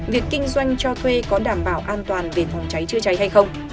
việc kinh doanh cho thuê có đảm bảo an toàn về phòng cháy chữa cháy hay không